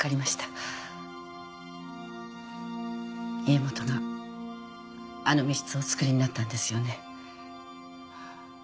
家元があの密室をおつくりになったんですよね？